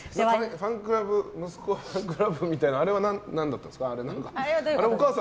息子のファンクラブみたいなのあれは何だったんですか？